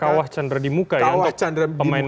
kawah candera di muka ya untuk pemain muda ya